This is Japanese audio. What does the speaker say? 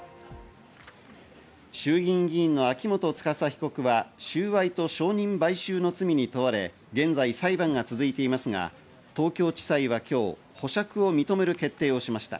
衆議院議員の秋元司被告は収賄と証人買収の罪に問われ、現在、裁判が続いていますが、東京地裁は今日、保釈を認める決定をしました。